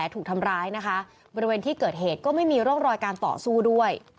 ถูกทำร้ายนะคะบริเวณที่เกิดเหตุก็ไม่มีร่องรอยการต่อสู้ด้วย